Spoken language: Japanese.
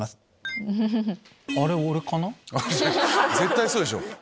絶対そうでしょ。